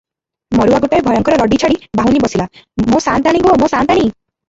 ମରୁଆ ଗୋଟାଏ ଭୟଙ୍କର ରଡ଼ି ଛାଡ଼ି ବାହୁନି ବସିଲା --"ମୋ ସାଆନ୍ତଣି ଗୋ; ମୋ ସାଆନ୍ତାଣି!